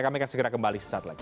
kami akan segera kembali sesaat lagi